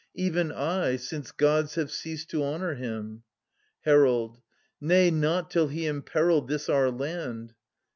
Even I, since Gods have ceased to honour him. Herald. Nay, not till he imperilled this our land.